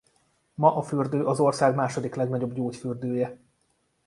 Ma a fürdő az ország második legnagyobb gyógyfürdője.